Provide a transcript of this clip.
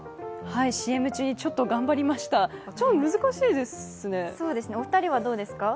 ＣＭ中にちょっと頑張りました、難しいですね。